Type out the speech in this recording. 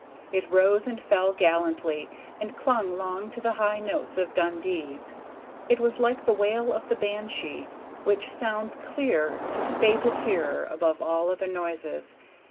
It rose and fell gallantly, and clung long to the high notes of Dundee. It was like the wail of the banshee, which sounds clear to the fated hearer above all other noises.